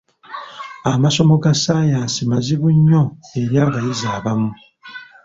Amasomo ga ssaayansi mazibu nnyo eri abayizi abamu.